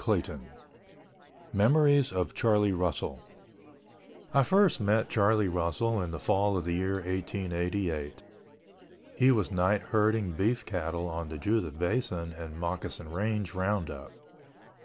CHAPTER XIX MEMORIES OF CHARLIE RUSSELL I first met Charlie Russell in the fall of the year 1888. He was night herding beef cattle on the Judith Basin and Moccasin Range roundup.